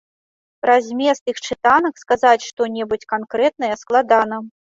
Пра змест іх чытанак сказаць што-небудзь канкрэтнае складана.